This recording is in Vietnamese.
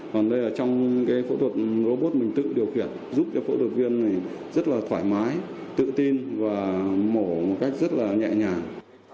còn đây là trong cái phẫu thuật robot mình tự điều khiển giúp cho phẫu thuật viên rất là thoải mái tự tin và mổ một cách rất là nhẹ nhàng